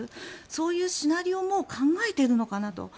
そういうシナリオも考えているのかなと。